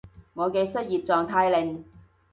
我嘅失業狀態令